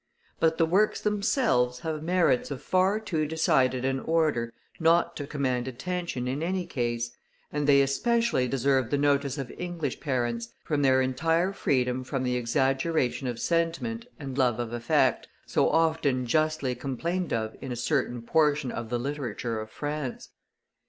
But the works themselves have merits of far too decided an order not to command attention in any case, and they especially deserve the notice of English parents, from their entire freedom from the exaggeration of sentiment and love of effect, so often justly complained of in a certain portion of the Literature of France.